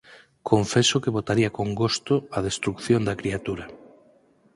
Confeso que votaría con gosto a destrución da criatura.